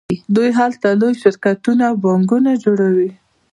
دوی هلته لوی شرکتونه او بانکونه جوړوي